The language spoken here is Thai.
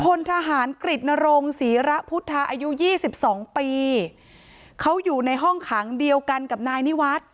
พลทหารกฤตนรงศรีระพุทธาอายุยี่สิบสองปีเขาอยู่ในห้องขังเดียวกันกับนายนิวัฒน์